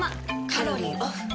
カロリーオフ。